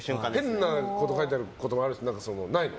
変なこと書いてあることないの？